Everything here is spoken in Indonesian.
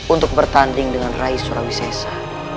untuk bertanding dengan raiz sulawisensa